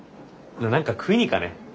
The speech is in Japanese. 何か食いに行かね？